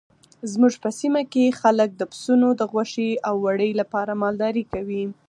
زموږ په سیمه کې خلک د پسونو د غوښې او وړۍ لپاره مالداري کوي.